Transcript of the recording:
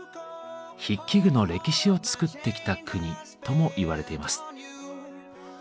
筆記具の歴史を作ってきた国ともいわれています。